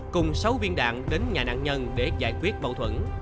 cùng sáu viên đạn đến nhà nạn nhân để giải quyết mâu thuẫn